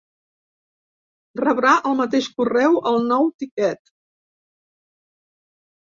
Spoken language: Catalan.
Rebrà al mateix correu el nou tíquet.